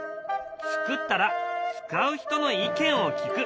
作ったら使う人の意見を聞く。